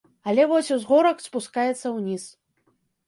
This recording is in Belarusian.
Але вось узгорак спускаецца ўніз.